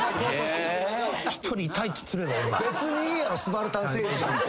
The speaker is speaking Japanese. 別にいいやろスバルタン星人。